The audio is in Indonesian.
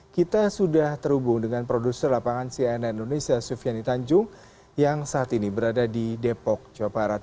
kita sudah terhubung dengan produser lapangan cnn indonesia sufiani tanjung yang saat ini berada di depok jawa barat